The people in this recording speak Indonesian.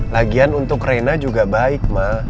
lagian untuk rena juga baik mbak